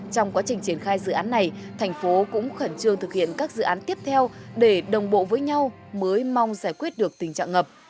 trong quá trình triển khai dự án này thành phố cũng khẩn trương thực hiện các dự án tiếp theo để đồng bộ với nhau mới mong giải quyết được tình trạng ngập